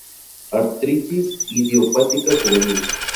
Artritis idiopática juvenil.